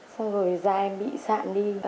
xong rồi da em bị sạn đi